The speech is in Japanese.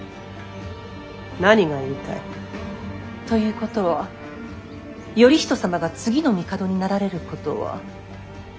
何が言いたい。ということは頼仁様が次の帝になられることは。